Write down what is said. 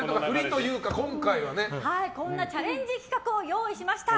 こんなチャレンジ企画をご用意しました。